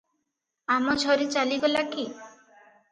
ଆମଝରୀ ଚାଲିଗଲା କି?